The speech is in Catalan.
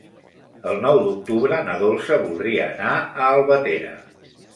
El nou d'octubre na Dolça voldria anar a Albatera.